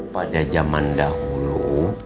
pada zaman dahulu